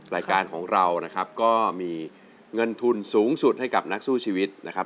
รายการของเรานะครับก็มีเงินทุนสูงสุดให้กับนักสู้ชีวิตนะครับ